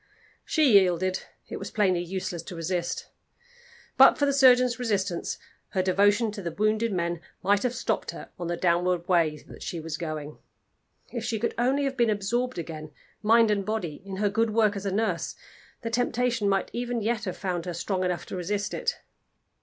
She yielded: it was plainly useless to resist. But for the surgeon's resistance, her devotion to the wounded men might have stopped her on the downward way that she was going. If she could only have been absorbed again, mind and body, in her good work as a nurse, the temptation might even yet have found her strong enough to resist it.